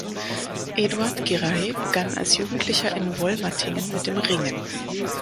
Eduard Giray begann als Jugendlicher in Wollmatingen mit dem Ringen.